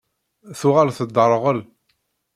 Tuɣal tedderɣel.